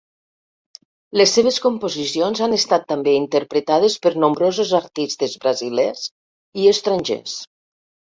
Les seves composicions han estat també interpretades per nombrosos artistes brasilers i estrangers.